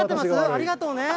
ありがとうね。